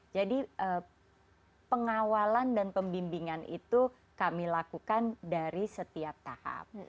jadi pengawalan dan pembimbingan itu kami lakukan dari setiap tahap